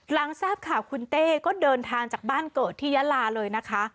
หลังทราบข่าวคุณเต้ก็เดินทางจากบ้านเกิดที่ยาลาเลยนะคะ